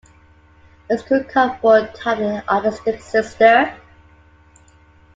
It's a great comfort to have an artistic sister.